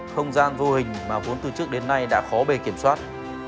không gian vô hình mà vốn từ trước đến nay đã khó bề kiểm soát